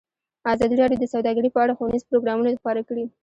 ازادي راډیو د سوداګري په اړه ښوونیز پروګرامونه خپاره کړي.